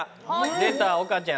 出たオカちゃん。